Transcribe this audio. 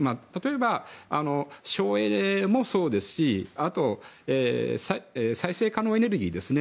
例えば、省エネもそうですしあと、再生可能エネルギー。